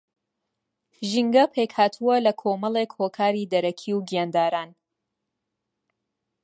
ژینگە پێکھاتووە لە کۆمەڵێک ھۆکاری دەرەکی و گیانداران